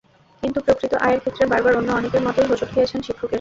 কিন্তু প্রকৃত আয়ের ক্ষেত্রে বারবার অন্য অনেকের মতোই হোঁচট খেয়েছেন শিক্ষকেরাও।